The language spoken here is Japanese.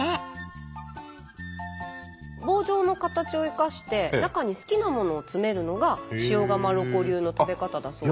棒状の形を生かして中に好きなものを詰めるのが塩釜ロコ流の食べ方だそうで。